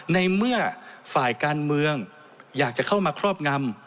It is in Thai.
ในเมื่อฝ่ายการเมืองอยากจะเข้ามาครอบงำ